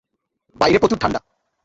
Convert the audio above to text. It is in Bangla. বাইরে প্রচুর ঠান্ডা।